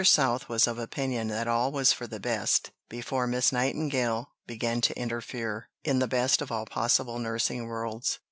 South was of opinion that all was for the best, before Miss Nightingale began to interfere, in the best of all possible nursing worlds.